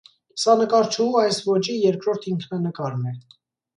Սա նկարչուհու այս ոճի երկրորդ ինքնանկարն է։